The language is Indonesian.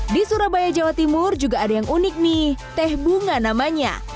di surabaya jawa timur juga ada yang unik nih teh bunga namanya